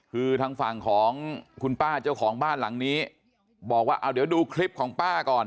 คือทางฝั่งของคุณป้าเจ้าของบ้านหลังนี้บอกว่าเอาเดี๋ยวดูคลิปของป้าก่อน